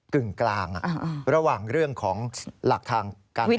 กึ่งกลางระหว่างเรื่องของหลักทางการเมือง